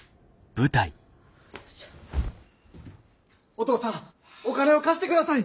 お父さんお金を貸してください。